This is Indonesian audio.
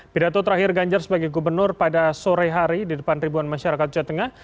pidato terakhir ganjar sebagai gubernur pada sore hari di depan ribuan masyarakat jawa tengah